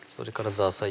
ザーサイ